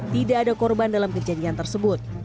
tidak ada korban dalam kejadian tersebut